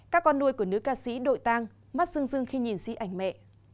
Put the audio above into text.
các con nuôi của nữ ca sĩ đội tang mắt dưng dưng khi nhìn xí ảnh mẹ